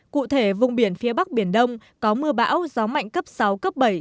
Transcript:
cụ thể vùng biển phía bắc biển đông có mưa bão gió mạnh cấp sáu cấp bảy